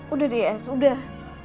udah deh es udah